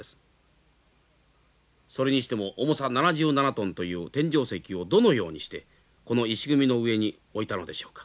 それにしても重さ７７トンという天井石をどのようにしてこの石組みの上に置いたのでしょうか。